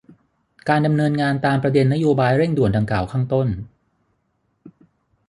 การดำเนินงานตามประเด็นนโยบายเร่งด่วนดังกล่าวข้างต้น